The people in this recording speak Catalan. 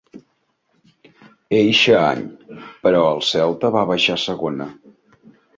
Eixe any, però, el Celta va baixar a Segona.